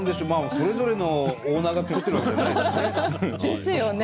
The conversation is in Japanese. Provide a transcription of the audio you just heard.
それぞれのオーナーが作ってるわけじゃないですもんね。ですよね。